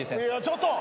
ちょっと！